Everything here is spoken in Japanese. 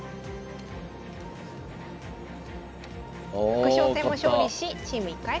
副将戦も勝利しチーム１回戦突破です。